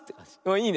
いいね。